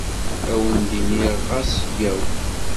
Ad wen-d-iniɣ ɣas yyaw.